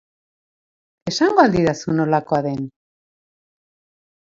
Esango al didazu nolakoa den?